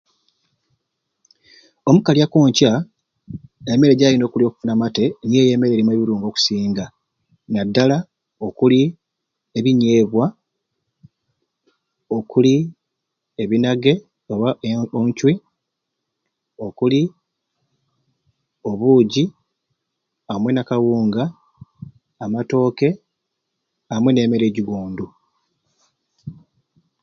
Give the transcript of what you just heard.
Omukali okwonca emere jayina okulya okufuna amaite niyo eyo emere eyina ebirungo ebikusinga nadala okuli ebinyebwa okuli ebinage oba oncwi okuli obugi amwei n'akawunga amatoke amwei n'emere egyigondu